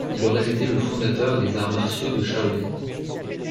Il aurait été le fondateur des Arts Martiaux de Shaolin.